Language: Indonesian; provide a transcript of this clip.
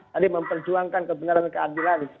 tadi memperjuangkan kebenaran dan keadilan